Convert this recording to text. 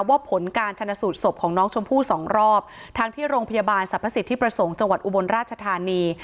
ผลการชนะสูตรศพของน้องชมพู่สองรอบทั้งที่โรงพยาบาลสรรพสิทธิประสงค์จังหวัดอุบลราชธานี